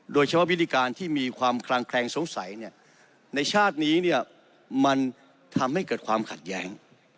วิธีการที่มีความคลางแคลงสงสัยในชาตินี้เนี่ยมันทำให้เกิดความขัดแย้ง